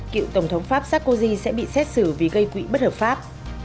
cựu tổng thống pháp sarkozy sẽ bị xét xử vì gây quỹ bất hợp pháp